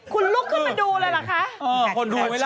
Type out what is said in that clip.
คุณลุกขึ้นมาดูเลยเหรอคะ